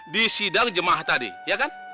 di sidang jemaah tadi ya kan